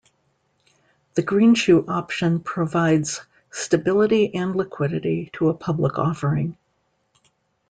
The greenshoe option provides stability and liquidity to a public offering.